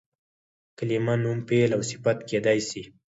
کلیمه نوم، فعل او صفت کېدای سي.